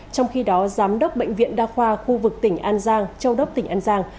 trong khi đó giám đốc bệnh viện đa khoa khu vực tỉnh an giang châu đốc tỉnh an giang